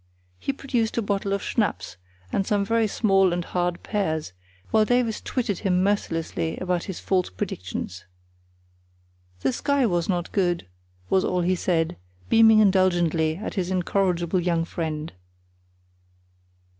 He produced a bottle of schnapps and some very small and hard pears, while Davies twitted him mercilessly about his false predictions. "The sky was not good," was all he said, beaming indulgently at his incorrigible young friend.